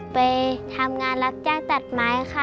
ไปทำงานรับจ้างตัดไม้ค่ะ